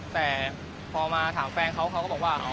แต่พอถามแฟนเค้าก็บอกว่า